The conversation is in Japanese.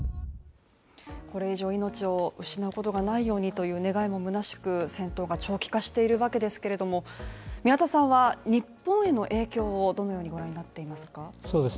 これ以上命を失うことがないようにという願いもむなしく戦闘が長期化しているわけですけど宮田さんは日本への影響をどのようにご覧になっていますか？